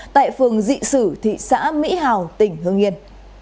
tại phường dị sử thị xã mỹ hào tỉnh hương yên